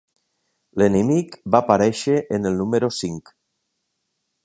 L'enemic va aparèixer en el número cinc.